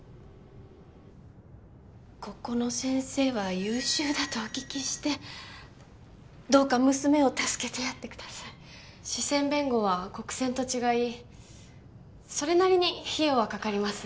ここの先生は優秀だとお聞きしてどうか娘を助けてやってください私選弁護は国選と違いそれなりに費用はかかります